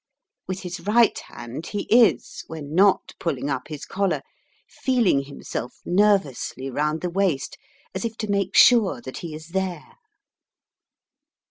With his right hand he is, when not pulling up his collar, feeling himself nervously round the waist, as if to make sure that he is there.